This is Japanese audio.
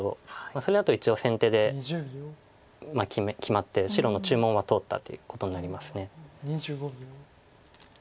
それだと一応先手で決まって白の注文は通ったということになります。